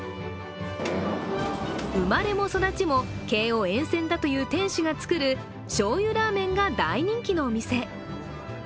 生まれも育ちも京王沿線だという店主が作るしょうゆラーメンが大人気のお店。